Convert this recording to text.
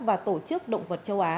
và tổ chức động vật châu á